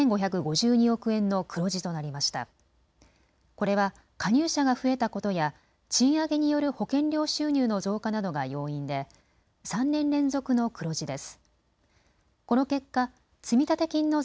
これは加入者が増えたことや賃上げによる保険料収入の増加などが要因で３年連続の黒字です。